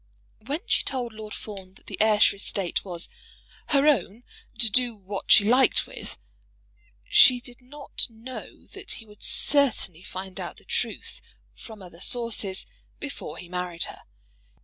When she told Lord Fawn that the Ayrshire estate was "her own, to do what she liked with," she did not know that he would certainly find out the truth from other sources before he married her.